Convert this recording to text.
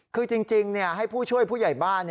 คือจริงให้ผู้ช่วยผู้ใหญ่บ้าน